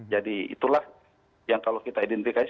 jadi itulah yang kalau kita identifikasi